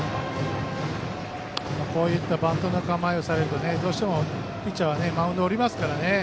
バントの構えをされるとどうしてもピッチャーはマウンドを降りますからね。